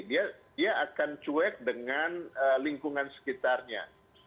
dia akan cuek dengan lingkungan sekitarnya